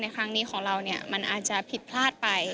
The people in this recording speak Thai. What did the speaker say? ครั้งนี้ของเรามันอาจจะผิดพลาดไป